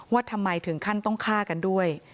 ว่าทำไมถึงขั้นต้องฆ่ากันด้วย